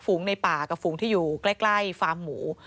ฝงในป่ากับฝูงที่อยู่ใกล้ฟาร์มหมู